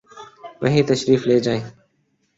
وہی تشریف لے جائیں۔